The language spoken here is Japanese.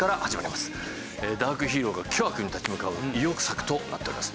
ダークヒーローが巨悪に立ち向かう意欲作となっております。